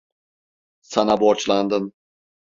Sana borçlandım.